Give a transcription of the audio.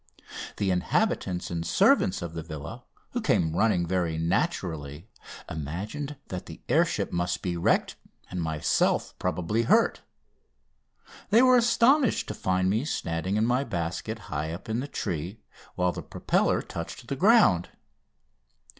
The inhabitants and servants of the villa, who came running, very naturally imagined that the air ship must be wrecked and myself probably hurt. They were astonished to find me standing in my basket high up in the tree, while the propeller touched the ground.